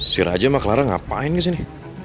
si raja sama clara ngapain disini